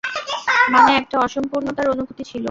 মানে, একটা অসম্পূর্ণতার অনুভূতি ছিল।